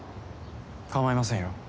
かまいませんよ。